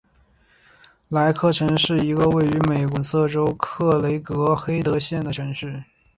莱克城是一个位于美国阿肯色州克雷格黑德县的城市。